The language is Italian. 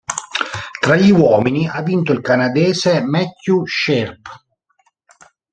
Tra gli uomini ha vinto il canadese Matthew Sharpe.